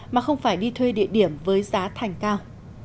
mà không phải đi thuê địa điểm với giá thành cao